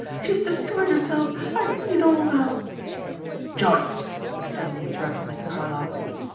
She has destroyed herself! I see it all now." "Joyce!" sternly interrupted Mr. Carlyle.